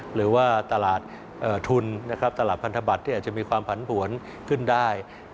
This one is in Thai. หรือว่าตลาดทุนตลาดพันธบัตรที่อาจจะมีความผันผวนขึ้นได้